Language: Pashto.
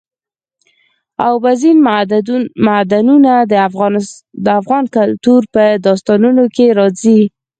اوبزین معدنونه د افغان کلتور په داستانونو کې راځي.